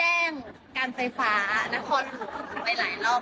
อยากรู้ว่าต้องแก้ปัญหายังไงเพราะว่าแจ้งการไฟฟ้านคร